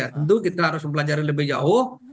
tentu kita harus mempelajari lebih jauh